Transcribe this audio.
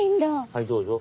はいどうぞ。